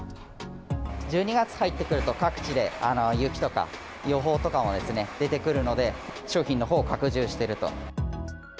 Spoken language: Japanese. １２月入ってくると、各地で雪とか、予報とかも出てくるので、商品のほうを拡充していると。